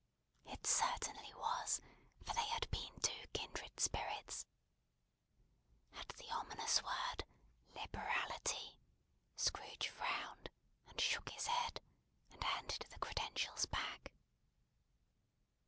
It certainly was; for they had been two kindred spirits. At the ominous word "liberality," Scrooge frowned, and shook his head, and handed the credentials back.